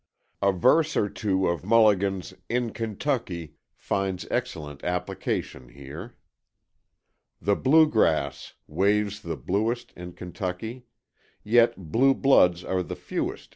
A verse or two of Mulligan's "IN KENTUCKY" finds excellent application here: "The bluegrass waves the bluest In Kentucky; Yet, bluebloods are the fewest